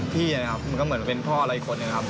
พี่นะครับมันก็เหมือนเป็นพ่ออะไรอีกคนหนึ่งครับ